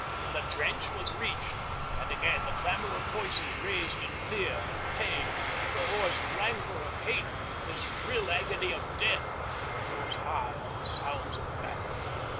The trench was reached, and again the clamour of voices raised in fear and pain, the hoarse rancour of hate, the shrill agony of death, rose high on the sounds of battle.